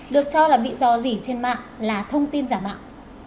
được cho là bị dò dỉ trên mạng là thông tin giả mạo